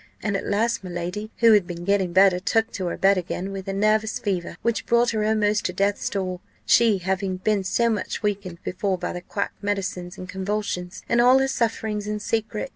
And at last my lady, who had been getting better, took to her bed again with a nervous fever, which brought her almost to death's door; she having been so much weakened before by the quack medicines and convulsions, and all her sufferings in secret.